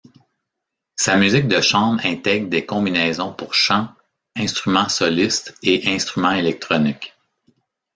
Sa musique de chambre intègre des combinaisons pour chant, instruments solistes et instruments électroniques.